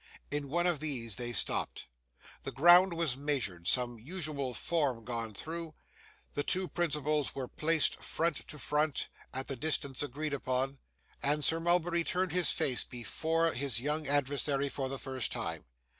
In one of these, they stopped. The ground was measured, some usual forms gone through, the two principals were placed front to front at the distance agreed upon, and Sir Mulberry turned his face towards his young adversary for the first time.